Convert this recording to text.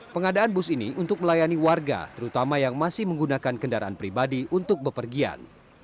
pengadaan bus ini untuk melayani warga terutama yang masih menggunakan kendaraan pribadi untuk bepergian